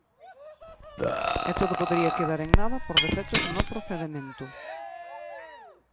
E todo podería quedar en nada por defectos no procedemento.